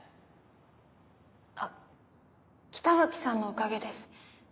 あっ北脇さんのおかげです。